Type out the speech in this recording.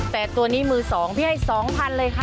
แต่ตัวนี้มือ๒พี่ให้๒๐๐๐เลยค่ะ